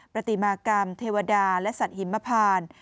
ปฏิมากรรมเทวดาและสัตว์หิมพาน